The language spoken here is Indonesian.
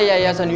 bukan agar bisa